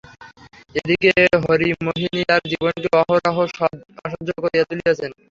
এ দিকে হরিমোহিনী তাহার জীবনকে অহরহ অসহ্য করিয়া তুলিয়াছেন।